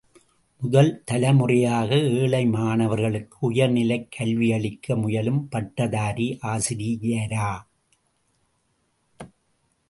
முதல் தலைமுறையாக ஏழை மாணவர்களுக்கு உயர் நிலைக் கல்வியளிக்க முயலும் பட்டதாரி ஆசிரியரா?